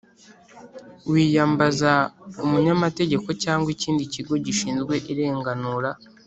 wi yambaza umunyamategeko cyangwa ikindi kigo gishinzwe irenganura.